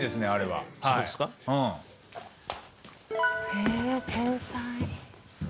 へえ天才。